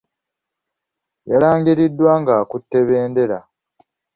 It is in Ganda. Yalangiriddwa ng'akutte bendera.